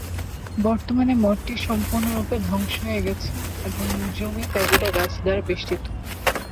বর্তমানে, মঠটি সম্পূর্ণরূপে ধ্বংস হয়ে গেছে এবং জুমি প্যাগোডা গাছ দ্বারা বেষ্টিত।